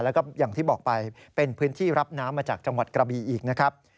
แล้วก็อย่างที่บอกไปเป็นพื้นที่รับน้ำมาจากจังหวัดกระบีอีกนะครับ